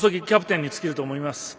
キャプテンに尽きると思います。